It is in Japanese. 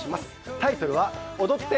タイトルは『踊って！